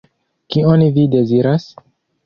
Kion vi deziras?